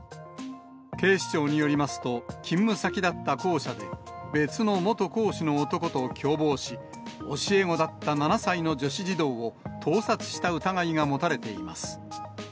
警視庁によりますと、勤務先だった校舎で、別の元講師の男と共謀し、教え子だった７歳の女子児童を盗撮した疑いが持たれています。